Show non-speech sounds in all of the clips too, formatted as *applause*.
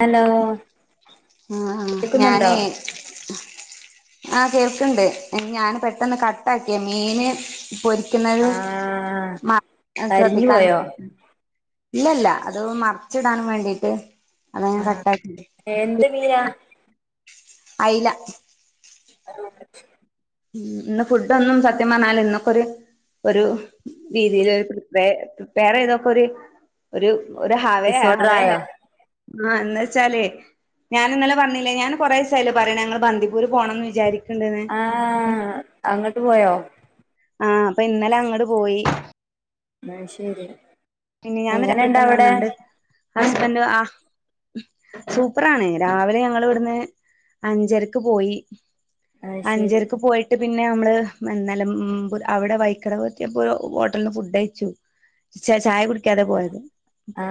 Hello ആ ആ കേൾക്കുന്നുണ്ടോ ആഹ് കേൾക്ക്ണ്ട് ഞാന് പെട്ടന്ന് കട്ട ആക്കിയ മീന് പൊരിക്കുന്നത് ആ മ കരിഞ്ഞു ശ്രദ്ധിക്കാൻ പോയോ ഇല്ലല്ല അത് മറിച്ചിടാൻ വേണ്ടിട്ട് അത് ആ ഞാൻ കട്ടാക്കിത് എന്ത് മീനാ അയില *inaudible* ഉ ഇന്ന്ഫുഡ് ഒന്നും സത്യം പറഞ്ഞാൽ ഇന്നക്കൊരു ഒരു രീതിൽ ഒരു പ്ര പ്രിപ്പയർ *unintelligible* ഒരു. ഒരു ഒരു ഹവയാ ഡിസോർഡർ ഹവയല്ല ആയോ ആഹ എന്നച്ചാലേ ഞാനിന്നലെ പറഞ്ഞില്ലേ ഞൻ കുറേസായല്ലോ പറ ഞങ്ങള് ബന്ദിപൂര് പോണന്ന് വിജാരിക്ക്ണ്ട് വിചാരിക്കേണ്ട്. ആഹ് അങ്ങോട്ട് പോയോ ആഹ് അപ്പൊ ഇന്നലെ അങ്ങട് പോയി അത് ശരി പിന്നെ എങ്ങനെണ്ട് ഞാനിന്നലെപെട്ടെന്ന് അവിടെ വന്നാണ്ട് ഹസ്ബൻഡ് ആ സൂപ്പറാണ് രാവിലെ ഞങ്ങളിവിട്ന്ന് അഞ്ചരക്ക് പോയി ആ ശരി അഞ്ചരക്ക് പോയി പിന്നെ നമ്മള് നിലമ്പൂർ അവിടെ വൈക്കട വത്തിയ പ്പോ ഹോട്ടലന്ന് ഫുഡ് കഴിച്ചു. ച ചായ കുടി കാതെ പോയത് ആ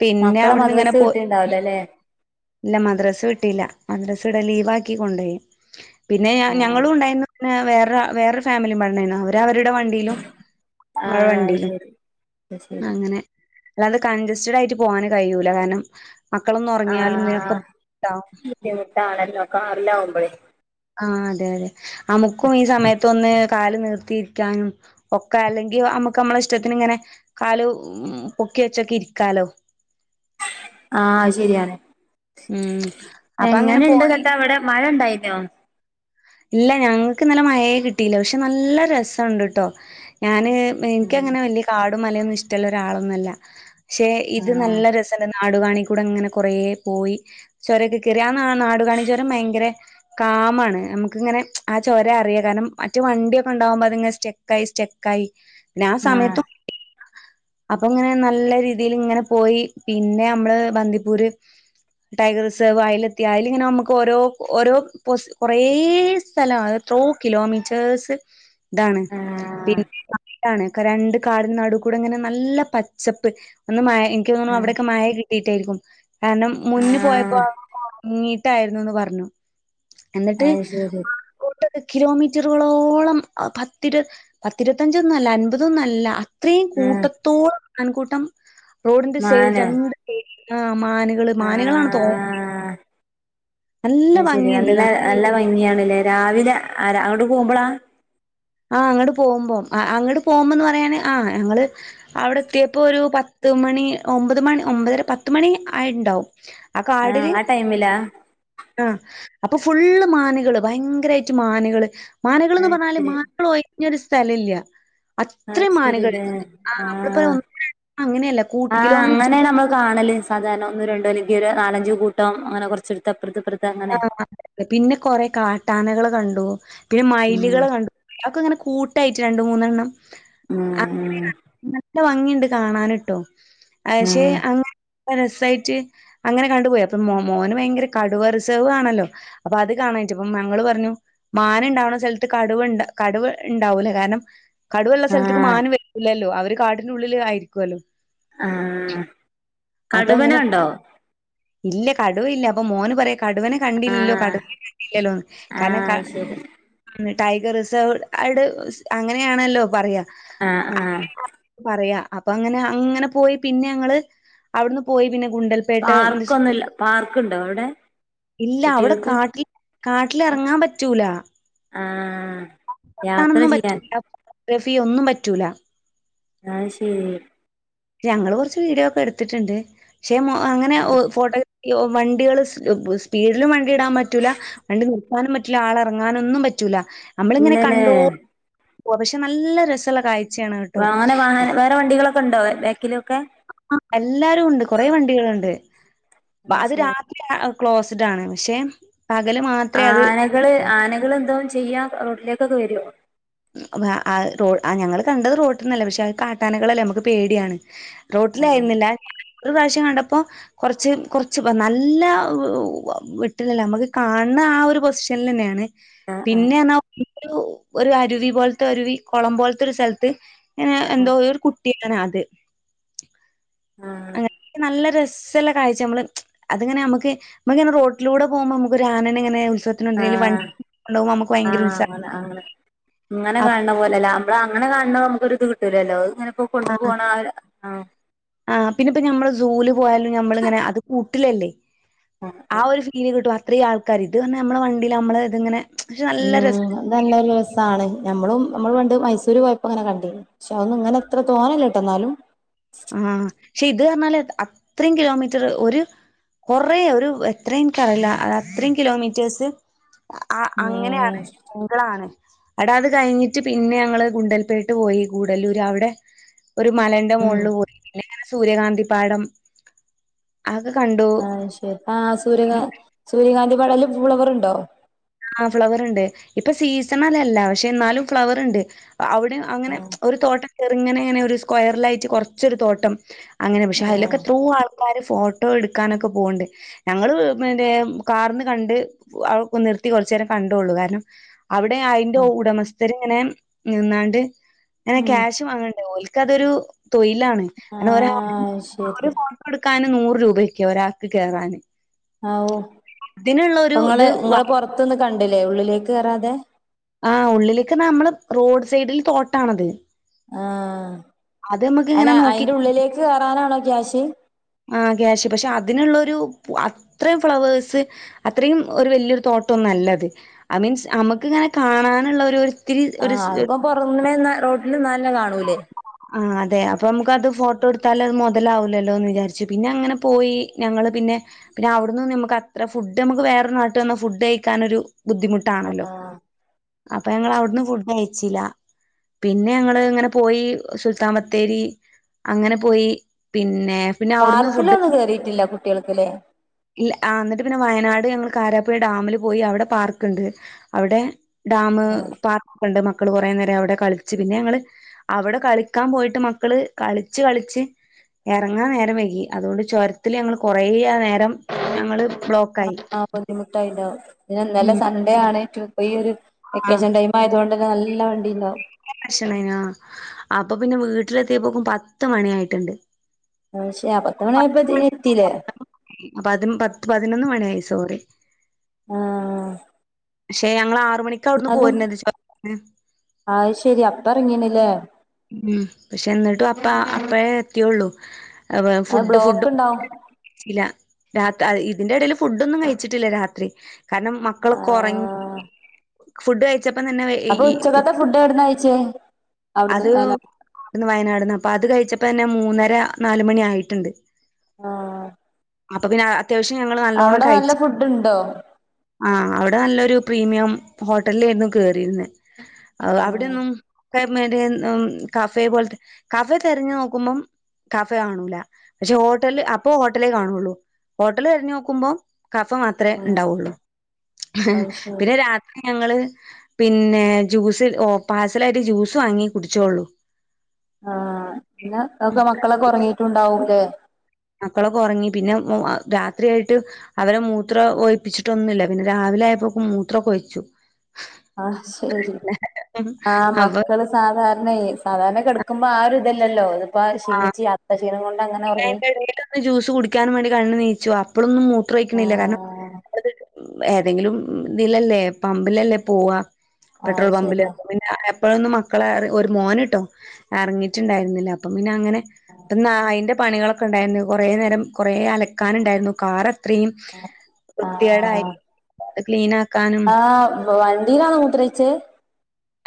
പിന്നെ മക്കളെ അവിടുന്ന് ഇങ്ങനെ മദ്രസ് പോയി കിട്ടിണ്ടാവൂലല്ലേ ഇല്ല മദ്രസ് വിട്ടീല്ല മദ്രസ് ഇടെ ലീവ് ആക്കി കൊണ്ടോയി- പിന്നെ ഞ ആ ഞങ്ങളും ഉണ്ടായിരുന്നു വേറെ വേറൊ ഫാമിലിയിമ്പാടെ ഉണ്ടായിരുന്നു അവര് അവരുടെ വണ്ടിയിലും ആ നമ്മളെ വണ്ടിയിലും. ശരി ശരി അങ്ങനെ അല്ലാതെ കഞ്ചസ്റ്റഡ് ആയിട്ട് പോകാന് കഴിയൂല കാരണം മക്കളൊന്നും ഒറങ്ങിയാലും ഇനൊക്കെ ട്ടാവും ദ്ധിമുട്ടാണല്ലോ കാറിലാവുമ്പഴേ ആഹ് അതെ അതെ നമുക്കും ഈ സമയത്തൊന്ന് കാല് നിർത്തിയിരിക്കാനും ഒക്കെ അല്ലെങ്കിൽ നമുക്ക് നമ്മള ഇഷ്ടത്തിന് ഇങ്ങനെ കാല് ഉം പൊക്കി വെച്ചൊക്കെ ഇരിക്കാലോ ആഹ് ശരിയാണ് ഉം അപ്പൊ അങ്ങനെ എങ്ങനെണ്ട് പോയി എന്നിട്ട് അവിടെ മഴണ്ടായിനോ? ഇല്ല ഞങ്ങൾക്ക് ഇന്നലെ മയേ കിട്ടിയില്ല പക്ഷെ നല്ല രസംണ്ട് കേട്ടോ ഞാന് എനിക്കങ്ങനെ വലിയ കാടും മലയൊന്നും ഇഷ്ടമുള്ള ഒരാളൊന്നല്ല പക്ഷെ ഇത് ആ നല്ല രസണ്ട്ന്ന് ആടുവാണി കൂടെ അങ്ങനെ കുറേ പോയി ചോരൊക്കെ കയറി യാ നാടുകാണിചൊരം ഭയങ്കര കാമാണ് നമുക്ക് നമക്ക ഇങ്ങനെ ആ ചൊര അറിയാം കാരണം മറ്റു വണ്ടിയൊക്കെ ഉണ്ടാകുമ്പോ അത്ങ്ങനെ സ്റ്റെക്ക ആ യി സ്റ്റെക്ക ആയി പിന്നെ ആ സമയത്തും അപ്പൊ ഇങ്ങനെ നല്ല രീതിൽ ഇങ്ങനെ പോയി പിന്നെ നമ്മള് ബന്ദിപ്പൂര് ടൈഗർ റിസർവ് അയലെത്തി അയിലിങ്ങനെ നമുക്ക് ഓരോ ഓരോ കുറെ സ്ഥലാ എത്രോ കിലോമീറ്റേഴ്സ് ഇതാണ് ആ പിന്നെ കാടാണ് രണ്ട് കാട നടു കൂടെ ഇങ്ങനെ ന നല്ല പച്ചപ്പ് ഒന്ന് മഴ എനിക്ക് തോന്നും അവിടെയൊക്കെ മഴ കിട്ടിട്ടായിരിക്കും. കാരണം മുന്നു ആ പോയപ്പോ ആ മുങ്ങിട്ടായിരുന്നുന്ന് പറഞ്ഞു. എന്നിട്ട് അത് ശരി ആട്ട് കിലോമീറ്ററുകളോളം പത്തിര് പത്തിരുത്തഞ്ചൊന്നും അല്ല അൻപതൊന്നും അല്ല ഇത്രയും ആഹ് കൂട്ടത്തോളം മാൻകൂട്ടം റോഡിന്റെ സൈഡ് മാനോ രണ്ട് സൈഡ് ആഹ് മാന് മാനികളാണ് തോ ആഹ് നല്ല ഭംഗിയുണ്ട് കാണാൻ ല്ല ഭംഗിയാണല്ലേ? രാവിലെ ആ അങ്ങോട്ട് പോകുമ്പോളാ? ആഹ് അങ്ങട് പോകുമ്പോം അങ്ങട് പോകുമ്പോന്ന് പറയാന് ആഹ് ഞങ്ങള് അവിടെ എത്തിയപ്പോ ഒരു പത്ത് പത്ത് മണി ഒമ്പത് മണി ഒമ്പതര പത്തുമണി ആയിട്ടുണ്ടാവും ആ ആഹ് കാടില് ആ ടൈമിലാ ആഹ് അപ്പൊ ഫുള്ള് മാന്കള് ഭയങ്കരമായിട്ട് മാന്കള് മാനകൾന്ന് അത് പറഞ്ഞാല് ശരി മാന്കള് ഒഴിഞ്ഞൊരു സ്ഥല ഇല്ല്യാ അത്രയും അത് മാനുകൾ ശരില്ലേ ആഹ് നമ്മളിപ്പോല ഒന്ന അങ്ങനെയല്ല കൂട്ട ആഹ് കിലോമീറ്റർ അങ്ങനെയാണ് നമ്മള് കാണല് സാധാരണ ഒന്നും രണ്ടോ അല്ലെങ്കിൽ ഒരു നാലഞ്ച കൂട്ടം അങ്ങനെറച്ചടുത്തപ്പറത്ത്പ്പറത്ത് ആഹ് അതതെ പിന്നെ കൊറെ കാട്ടാനകള് കണ്ടു. പിന്നെ ഉം മയിലുകൾ കണ്ടു അതൊക്കെ അങ്ങനെ കൂട്ടായിട്ട് രണ്ട മൂന്നെണ്ണം ഉം. അങ്ങനെ നല്ല ഭംഗിയുണ്ട് കാണാനിട്ടോ പക്ഷെ ഉം അങ്ങന രസമായിട്ട് അങ്ങനെ കണ്ടുപോയി അപ്പൊ മോന് ഭയങ്കര കടുവ റിസർവ് ആണല്ലോ. അപ്പൊ അത് കാണായിട്ട് ഇപ്പം ഞങ്ങള് പറഞ്ഞു. മാന ഉണ്ടാവുന്ന സ്ഥലത്ത് കടുവുണ്ട കടുവ ഉണ്ടാവൂലേ കാരണം കടുവള്ള സ്ഥലത്തേക്ക് ആഹ് മാന് വരത്തില്ലല്ലോ അവര് കാട്ടിനുള്ളിൽ ആയിരിക്കുവല്ലോ ആ അപ്പൊ കടുവന അങ്ങനെ കണ്ടോ ഇല്ല കടുവ ഇല്ല അപ്പൊ മോന് പറയാ കടുവനെ കണ്ടില്ലല്ലോ ആഹ് കടുവ കണ്ടില്ലല്ലോന്ന് കാരണം ആഹ് അത് ശരി ടൈഗർ റിസർവ് ആടെ അങ്ങനെയാണല്ലോ പറയാ ആ ആ പറയാ അപ്പൊ അങ്ങനെ അങ്ങനെ പോയി പിന്നെ ഞങ്ങള് അവിടുന്ന് പോയി പിന്നെ ഗുണ്ടൽ പാർക്കൊന്നുംല്ല പാർക്കുണ്ടോ അവിടെ ഇല്ല അവിടെ കുട്ടികൾക്ക് കാട്ടിൽ കാട്ടില ഇറങ്ങാൻ പറ്റൂല ആഹ ത്താനൊന്നും പറ്റൂല ഫോട്ടോഗ്രഫി ഒന്നും പറ്റൂല അത് ശരി ഞങ്ങള്ൾ കുറച്ച് വീഡിയോ ഒക്കെ എടുത്തിട്ടുണ്ട് പക്ഷെ അങ്ങനെ ഫോട്ട വണ്ടികൾ സ്പീഡിലും വണ്ടി ഇടാൻ പറ്റൂല വണ്ടി നിൽക്കാനും പറ്റില്ല ആള ഇറങ്ങാനൊന്നും പറ്റൂല നമ്മളിങ്ങനെ ഇല്ലല്ലേ കണ്ട പക്ഷെ നല്ല രസമല്ല കാഴ്ച അങ്ങനെ വാഹന വേറെ വണ്ടികളൊക്കെ ഉണ്ടോേ ബാക്കിലൊക്കെ ആ എല്ലാരും ഉണ്ട് കൊറെേ വണ്ടികളുണ്ട് അത് ക്ലോസ്ഡ് ആണ് പക്ഷെ പകല് മാത്രം ആനകള് ആനകൾ എന്തോും ചെയ്യാ റോട്ടിലേക്കൊക്കെ വരുമോ ആ ഞങ്ങള്ൾ കണ്ടത് റോട്ടിൽന്നല്ലേ പക്ഷെ ആ കാട്ടാനകളല്ലേ നമുക്ക് പേടിയാണ് റോട്ടില ആഹ് ആായിരുന്നില്ല ഒരു പ്രാവശ്യം കണ്ടപ്പോ കുറച്ച് കൊറച്ച് നല്ല വിട്ടിലല്ല നമ്മുക്ക് കാണുന്ന ആ ഒരു പൊസിഷനിൽ തന്നെയാണ് ആഹ് ആഹ് പിന്നൊ ഒരു അരുവി പോലത്തെ ഒരുരുവി കുളം പോലത്തെ ഒരു സ്ഥലത്ത് ഇങ്ങനെ എന്തോ ഒരു കുട്ടിയാണ് അത് ആഹ നല്ല രസം ഉള്ള കാഴ്ച്ച് നമ്മള് അത്ങ്ങനെ നമ്മുക്ക് നമ്മൾ റൊട്ടിലൂടെ പോകുമ്പോ ആന ങ്ങനെ ഉത്സവത്തിന് എന്തിനെങ്കിലും കൊണ്ടുപോകുമ്പോൾ വണ്ടിയിൽ കൊണ്ട് പോകുമ്പോ നമക്ക് ഭയങ്കര ഉത്സാഹം അല്ലെ അങ്ങെ അങ്ങനെ കാണ പോലെല്ല നമ്മ അങ്ങനെ കാണ നമുക്ക് ഇത് കിട്ടൂലല്ലോ അ ഇങ്ങ കൊണ്ടു പോണ ആ ആ പിന്നെ ഇപ്പോ നമ്മൾ സൂ പോയാലും നമ്മളിങ്ങനെ അത് കൂട്ടില്ലല്ലേ ആ ഒരു ഫീല് കിട്ടും ഇത്രയും ആൾക്കാരിത് പറഞ്ഞാ നമ്മള വണ്ടി നമ്മൾ ഇതിങ്ങനെ പക്ഷെ ഉം നല്ല രസ അത് നല്ലൊരു രസമാണ് നഞമ്മളും നമ്മള് വണ്ട് മൈസൂര് പോയപ്പോ ഇങ്ങനെ കണ്ടിനി പക്ഷെ അതൊന്നും ഇങ്ങനെ ഇത്ര തോന്നല്ല ഇട്ടോ എന്നാലും ആ പക്ഷെ ഇത് പറഞ്ഞാല് അത്രയും കിലോമീറ്റർ ഒരു കൊറേ ഒരു എത്രയുംന്ന്നിക്കറിയില്ല അ അത്രയും കിലോമീറ്റേഴ്സ് ആ ഉം അങ്ങനെയാണ് എടാ അത് കഴിഞ്ഞിട്ട് പിന്നെ ഞങ്ങള്ൾ ഗുണ്ടൽപേട്ട് പോയി ഗൂഡലൂർ അവിടെ ഒരു മലന്റെ ഉം മുകളിൽ പോയി പിന്നെങ്ങനെ സൂര്യകാന്തി പാടം അതൊക്കെ കണ്ടു ആഹ ശരി ആ സൂര്യ സൂര്യകാന്തി പടല് ഫളവർണ്ടോ ആ ഫ്ലവർ ഉണ്ട് ഇപ്പൊ സീസണ അല്ലല്ല പക്ഷെ എന്നാലും ഫ്ലവർ ഉണ്ട് അവിടെ അങ്ങനെ ആഹ് ഒരു തോട്ടം കെറിങ്ങനെ ഇങ്ങനെ ഒരു സ്ക്വയറിലായിട്ട് കൊറച്ചൊരു തോട്ടം അങ്ങനെ പക്ഷെ അതിലൊക്കെ ആഹ് എത്രൂ ആൾക്കാാര് ഫോട്ടോ എടുക്കാനൊക്കെ പോകണ്ട് ഞങ്ങള്ൾ പിെ കാറിന്ന് കണ്ട് അതൊക്ക നിർ ത്തി. കുറച്ചു നേരം കണ്ടുള്ളു കാരണം അവിടെ അയിറെ ഉം ഉടമസ്ഥരെ ഇങ്ങനെ നിന്നാണ്ട് അങ്ങനെ ഉം ക്യാഷും വങ്ങണ്ട് ഒലക്ക് അതൊരു തൊഴിലാണ് അനെ ഒരാ ആഹ് ശരി ഫോട്ടോ എടുക്കൻ നൂറ് രൂപയൊക്കെയ ഒരാൾക്ക് കേയറാന് ആ ഓ അപ്പൊ ഒരു ഇത് നിങ്ങെ നിങ്ങളെ പുറത്തൊന്ന് കണ്ടില്ലേ ഉള്ളിലേക്ക് കേയറാതെ ആഹ ഉള്ളിലേക്ക്െ നമ്മള് റോഡ് സൈഡിൽ തോട്ടണത് ആ ഇങ്ങനെ അല്ല നോക്കി അയിന്റെ ഉള്ളിലേക്ക് കയറാനാണോ ക്യാഷ് ആ ക്യാഷ് പക്ഷെ അതിനുള്ളൊരു അത്രയും ഫ്ളവേഴ്സ് അത്രയും ഒരു വലിയൊരു തോട്ടംൊന്നുംല്ലത് മീൻസ് നമുക്ക് ഇങ്ങനെ കാണാനുള്ള ഒരു ആഹ അതിപ്പോൊ പുൊറന്നമേ റോട്ടിൽ നല്ല കാണൂല്ലേ ആ അതെ അപ്പൊ നമുക്ക് അത് ഫോട്ടോ എടുത്താൽത് മുതലാവൂല്ലോ എന്ന് വിചാരിച്ചു പിന്നെ അങ്ങനെ പോയി ഞങ്ങള്ൾ പിന്നെ പിന്നെ അവിടുന്ന് നമുക്ക് അത്ര ഫുഡ് നമുക്ക് വേറൊരു നാട്ടിൽ വന്നാ ഫുഡ് കഴിക്കാനൊരു ബുദ്ധിമുട്ടാണല്ലോ ആഹ് അപ്പൊ ഞങ്ങ അവിടുന്ന് ഫുഡ് അയച്ചില്ല പിന്നെ ഞങ്ങള് ഇങ്ങനെ പോയി സുൽത്താൻ ബത്തേരി അങ്ങനെ പോയി പിന്നെ പിന്നെ അവിടുന്ന് ഫുഡ് പാർക്കിലൊന്നും കേയറിയിട്ടില്ല കുട്ടികൾക്കല്ലേ ഇല്ല എന്നിട്ട് പിന്നെ വയനാട് ഞങ്ങൾ കാരാപ്പുഴ ഡാമില് പോയി അവിടെ പാർക്കുണ്ട് അവിടെ ഡാമ പാർക്കൊക്കെ ഉണ്ട് മക്കള് കുറെേ നേരം അവിടെ കളിച്ച് പിന്നെ ഞങ്ങള് അവിടെ കളിക്കാൻ പോയിട്ട് മക്കള് കളിച്ച് കളിച്ച് എറങ്ങാൻ നേരം വൈകി അതുകൊണ്ട് ചുരത്തില് ഞങ്ങൾ കൊറേ നേരം ഞങ്ങള് ബ്ലോ ആഹ് ബുദ്ധിമുട്ടായിണ്ടാവും പിന്നെ ഇന്നലെ ഉം സൺഡേ ആണ് ഈ ഒരു ആഹ് വെക്കേഷൻ ടൈ ആയതു കൊണ്ട് തന്നെ നല്ല വണ്ടി ഉണ്ടാവും ഭക്ഷണംനോ അപ്പൊ പിന്നെ വീട്ടിലെത്തിയപ്പോക്കും പത്ത് മണിയായിട്ടുണ്ട് പക്ഷേ പത്ത് മണി ആയപ്പോത്ത്ന് എത്തില്ലേ പത്ത് പതിനൊന്ന് മണിയായി സോറി ആഹ് പക്ഷെ ഞങ്ങള് ആറ് മണിക്ക് അവിടുന്ന് പോരുന്നത് പോരണത്ത് അത്ശെരി അപ്പം എറങ്ങീണല്ലേ ഉം പക്ഷെ എന്നിട്ടും അപ്പം അപ്പഴേ എത്തിയുള്ളു അത് ഫുഡ് ബ്ലോക്ക് ഫുഡ് ഇണ്ടാവും ഇല്ല രാ ഇതിന്റെ ഇടേൽ ഫുഡൊന്നും കഴിച്ചിട്ടില്ല രാത്രി കാരണം മക്കൾ ഉറങ്ങി ആഹ് ഫുഡ് കഴിച്ചപ്പം തന്നെ അപ്പൊ ഈ ഉച്ചക്കത്തെ ഫുഡ് എവിടുന്ന് കഴിച്ചേ അവിടുന്ന് വയ അവിടന്ന് വയനാട്ന്ന് അപ്പൊ അത് കഴിച്ചപ്പോ തന്നെ മൂന്നര നാലുമണി ആയിട്ടുണ്ട് ആഹ് അപ്പൊ പിന്നെ അത്യാവശ്യം ഞങ്ങള് നല്ലോണ്ണം അവിടെ നല്ല കഴിച്ചു ഫുഡ് ഇണ്ടോ ആഹ് അവിടെ നല്ലൊരു പ്രീമിയം ഹോട്ടലിലായിരുന്നു കേറിരന്ന് ആഹ് അവിടെയൊന്നും ഒക്കെ കഫേ പോലത്തെ കഫേ തിരഞ്ഞു നോക്കുമ്പം കാഫേ കാണൂല പക്ഷെ ഹോട്ടല് ഇപ്പോ ഹോട്ടലേ കാണുള്ളൂ ഹോട്ടൽ തെരഞ്ഞു നോക്കുമ്പോൾ കഫ മാത്രമേ ആഹ് ഉണ്ടാവുള്ളൂ അത് ശരി പിന്നെ രാ ത്രി ഞങ്ങള് പിന്നെ ജ്യൂസ് ഓ പാർസലായിട്ട് ജ്യൂസ് വാങ്ങി കുടിച്ചോള്ളു ആഹ് പിന്നെ ഒക്കെ മക്കളൊക്കെ ഉറങ്ങീയിട്ടുണ്ടാവും ലെ മക്കളൊക്കെ ഉറങ്ങി പിന്നെ രാത്രിയായിട്ട് അവരെ മൂത്ര ഒഴപ്പിച്ചിട്ടൊന്നുല്ല പിന്നെ രാവിലെ ആയപ്പോ മൂത്രം കൊഴിച്ചു ആഹ് ശരി ആ മ അപ്പൊ മക്കള് സാധാരണ സാധാരണ കിടക്കുമ്പോ ആ ഒരു ഇതല്ലല്ലോ ഇതിപ്പോ ക്ഷീണിച്ച് ക്ഷീണം കൊണ്ട്ങ്ങനെ എയ്ന്റെഡേലൊന്ന് ജ്യൂസ് കുടിക്കാനൻ വേണ്ടി കണ്ണ് നീച്ചു അപ്പഴൊന്നുംമൂത്രോയ്ക്കിനില്ല കാരണത് ആഹ് ഏതെങ്കിലും ഇതിലല്ലേ പമ്പിലല്ലേ പോവാ പെട്രോൾ അത് പമ്പില് ശരിയാ എപ്പോഴൊന്നും മക്കളെ ഒരു മോന്ട്ടോ എറങ്ങിട്ടുണ്ടായിരുന്നില്ല അപ്പൊ പിന്നെ അങ്ങനെ പ്പൊന്നാ ഐന്റെ പണികളൊക്കെ ഇണ്ടായിരുന്നു കൊറേ നേരം കൊറേ അലക്കാൻ ഉണ്ടായിരുന്നു കാറ ത്രീം വൃത്തെടായി ആഹ് അത് ക്ലീനക്കാനും, ആ വണ്ടിയിലാ മൂത്രെച്ചെ?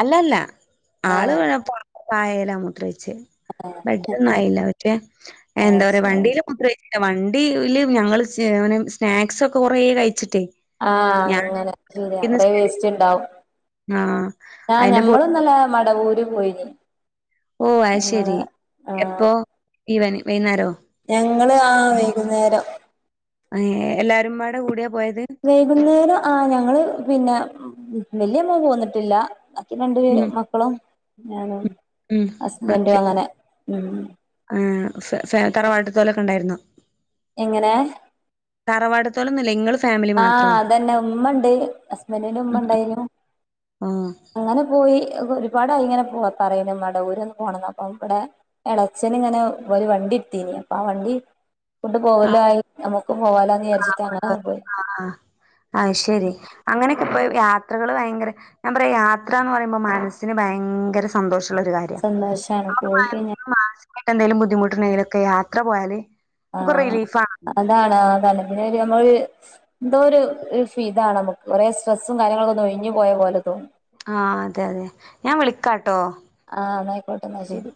അല്ലല്ല ആള് ഏഹ് പായെല മൂത്രയിച്ചേ. ബെഡ്‌ലോന്നും ആയില്ല പക്ഷേ അഹ് എന്താ പറയാ ശരി വണ്ടില് ശരി മൂത്ര വണ്ടിയില് ഞങ്ങള്ൾമറ്റേ സ്നാക്സ്സോക്കെ കുറെ കഴിച്ചിട്ടേ ആഹ് ഞാൻ അങ്ങനെ ശരിയ കൊറെവേസ്റ്റ് ഒക്കെണ്ടാവും ആഹ് ആ അയിന്റെ പൊ ഞമ്മള് ഇന്നലെ മടവൂര് പോയിനി. ഓ അത്ശരി എപ്പോ ഇവനിംഗ് വൈന്നാരോ? ഞങ്ങള് ആഹ് വൈകുന്നേരം. ഏഹ് എല്ലാരുംമാടെ കൂടിയാ പോയത് വൈകുന്നേരം ആ ഞങ്ങള് പിന്നെ വ വെല്ല്യമോ പോന്നിട്ടില്ല. എനിക്ക് രണ്ട് ഉം മക്കളും ഞാന. ഉം ഉം ഒക്കെ തറവാട്ട്ത്തോലൊക്കെ ണ്ടായിരുന്നോ? എങ്ങനെ? തറവാട്ത്തോലൊന്നും ഇല്ലേ ഇങ്ങള് ഫാമിലി ആ മാത്രോ? അതന്നെ ഉമ്മണ്ട് ഹസ്ബന്റിന്റെ ഉമ്മ ഉം ഉം ഉണ്ടായിനു. ഓഹ് അങ്ങനെ പോയി ഒരുപാടയിങ്ങനെ പറയുന്നു മടെവൂരൊന്ന് പോണം ന്ന് അപ്പൊ ഇവിടെ എളച്ചന് ങ്ങനെ ഒരു വണ്ടി ഇട്ത്തീനി അപ്പൊ ആ വണ്ടി ണ്ട് ആഹ് പോവലായി നമുക്കും ആഹ് പോകാലാന്ന്ചാരിച്ചിട്ട് അങ്ങനാ കൊണ്ടോന്ന്. പോയി. ആഹ് ആ ശരി അങ്ങനെ, ഇപ്പൊ യാത്രകള് ഭയങ്കര ഞാൻ പറയാ യാത്ര എന്ന് പറയുമ്പോൾ മനസ്സിന് ഭയങ്കര സന്തോഷള്ള ഒരു കാര്യ സന്തോഷാണ് പോയി കഴിഞ്ഞാൽ മറ്റെന്തങ്കും ബുദ്ധിമുട്ടണ്ടെങ്കലൊക്കെ യാത്ര പോയാല് ആ നമുക്ക് റിലീഫാണ്. അതാണ് *unintelligible* നമ്മളോരു എന്തോ ഒരു ഫീ താണ് മുക്ക് കുറേ സ്ട്രെസും കാര്യങ്ങളൊക്ക ഒഴിഞ്ഞു പോയ പോലെ തോന്നും. ആ അതെ അതെ ഞാൻ വിളിക്കാട്ടോ. ആഹ് ന്നാ അയ്ക്കോട്ടെ ന്നാ ശരി